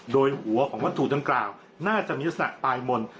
โดยหัวของวัตถุดังกล่าวน่าจะมีลักษณะปลายมนต์